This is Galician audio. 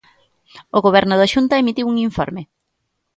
O Goberno da Xunta emitiu un informe.